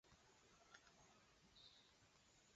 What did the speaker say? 大蒙特利尔地区的朗格惠属于该地区。